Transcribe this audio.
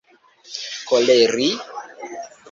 koleri